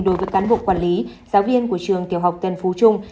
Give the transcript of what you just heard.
đối với cán bộ quản lý giáo viên của trường tiểu học tân phú trung